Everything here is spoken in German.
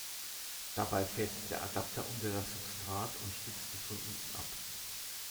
Dabei fährt der Adapter unter das Substrat und stützt es von unten ab.